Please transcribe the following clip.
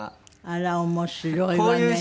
あら面白いわね。